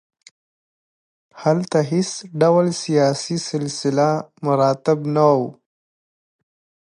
هلته هېڅ ډول سیاسي سلسله مراتب نه وو.